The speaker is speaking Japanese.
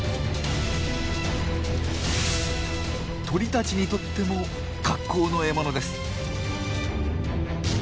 鳥たちにとっても格好の獲物です。